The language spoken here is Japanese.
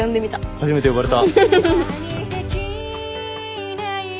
初めて呼ばれた。